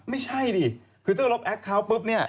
ไม่ใช่ดิคือถ้าล็อกแอคเคาน์ปุ๊บเนี่ย